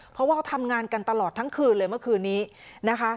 เพราะว่าเขาทำงานกันตลอดทั้งคืนเลยเมื่อคืนนี้นะคะ